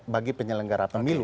bagi penyelenggara pemilu